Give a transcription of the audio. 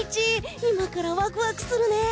今からワクワクするね。